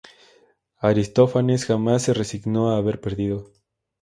Aristófanes jamás se resignó a haber perdido.